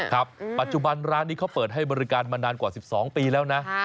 ครับปัจจุบันร้านนี้เขาเปิดให้บริการมานานกว่า๑๒ปีแล้วนะ